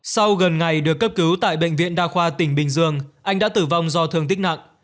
sau gần ngày được cấp cứu tại bệnh viện đa khoa tỉnh bình dương anh đã tử vong do thương tích nặng